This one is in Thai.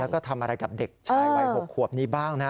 แล้วก็ทำอะไรกับเด็กชายวัย๖ขวบนี้บ้างนะ